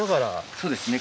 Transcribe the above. そうですね。